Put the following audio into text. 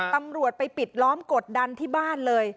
ตำรวจไปปิดล้อมกดดันที่บ้านเลย